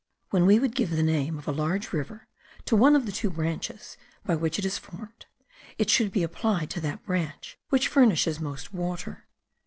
When we would give the name of a large river to one of the two branches by which it is formed, it should be applied to that branch which furnishes most water.